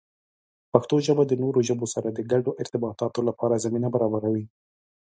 پښتو ژبه د نورو ژبو سره د ګډو ارتباطاتو لپاره زمینه برابروي.